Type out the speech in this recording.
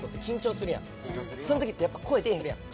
その時ってやっぱ声出えへんやん。